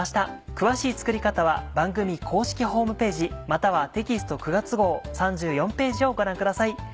詳しい作り方は番組公式ホームページまたはテキスト９月号３４ページをご覧ください。